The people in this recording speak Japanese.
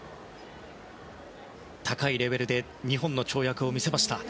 高いレベルで２本の跳躍を見せました。